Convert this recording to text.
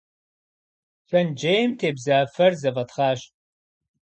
Шэнтжьейм тебза фэр зэфӏэтхъащ.